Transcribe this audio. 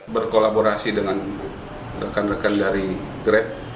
berkolaborasi dengan rekan rekan dari grab